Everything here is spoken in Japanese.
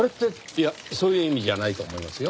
いやそういう意味じゃないと思いますよ。